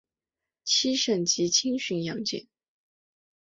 七省级轻巡洋舰。